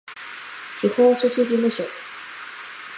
司法書士事務所